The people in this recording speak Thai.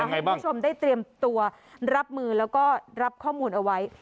ให้คุณผู้ชมได้เตรียมตัวรับมือแล้วก็รับข้อมูลเอาไว้